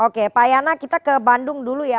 oke pak yana kita ke bandung dulu ya